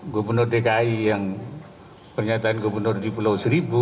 gubernur dki yang pernyataan gubernur di pulau seribu